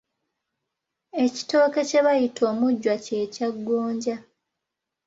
Ekitooke kye bayita omujjwa kye kya gonja.